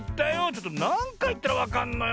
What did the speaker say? ちょっとなんかいいったらわかんのよ。